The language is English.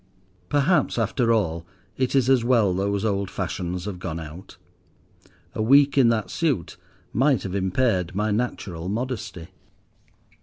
Perhaps, after all, it is as well those old fashions have gone out. A week in that suit might have impaired my natural modesty.